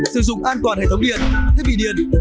sử dụng an toàn hệ thống điện thiết bị điện